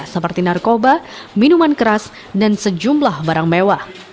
seperti narkoba minuman keras dan sejumlah barang mewah